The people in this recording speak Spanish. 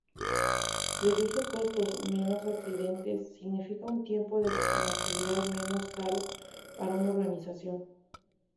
Reduce costos: Menos accidentes significa un tiempo de inactividad menos caro para una organización.